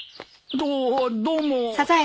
どどうも。